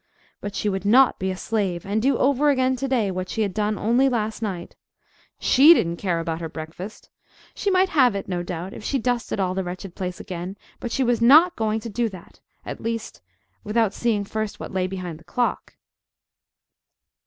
But she would not be a slave, and do over again to day what she had done only last night! She didn't care about her breakfast! She might have it no doubt if she dusted all the wretched place again, but she was not going to do that—at least, without seeing first what lay behind the clock!